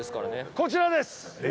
こちらです！